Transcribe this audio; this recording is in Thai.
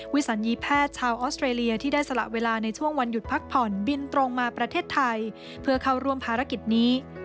สัญญีแพทย์ชาวออสเตรเลียที่ได้สละเวลาในช่วงวันหยุดพักผ่อนบินตรงมาประเทศไทยเพื่อเข้าร่วมภารกิจนี้